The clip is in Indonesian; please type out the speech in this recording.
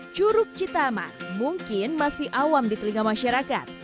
curug citamat mungkin masih awam di telinga masyarakat